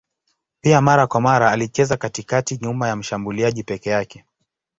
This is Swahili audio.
Pia mara kwa mara alicheza katikati nyuma ya mshambuliaji peke yake.